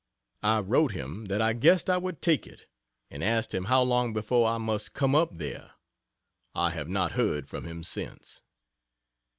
I wrote him that I guessed I would take it, and asked him how long before I must come up there. I have not heard from him since.